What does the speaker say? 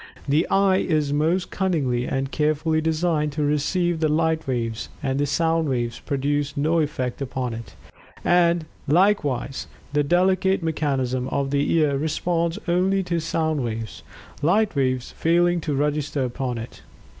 The eye is most cunningly and carefully designed to receive the light waves; and sound waves produce no effect upon it. And, likewise, the delicate mechanism of the ear responds only to sound waves; light waves failing to register upon it.